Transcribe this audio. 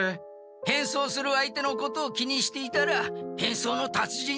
変装する相手のことを気にしていたら変装の達人にはなれんぞ。